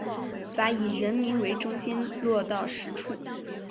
把以人民为中心落到实处